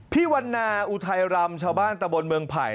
วันนาอุทัยรำชาวบ้านตะบนเมืองไผ่